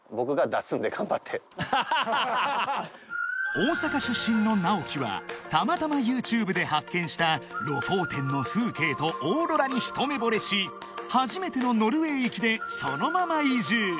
［大阪出身の直樹はたまたまＹｏｕＴｕｂｅで発見したロフォーテンの風景とオーロラに一目ぼれし初めてのノルウェー行きでそのまま移住］